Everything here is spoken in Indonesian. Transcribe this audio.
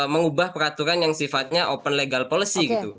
mengubah peraturan yang sifatnya open legal policy gitu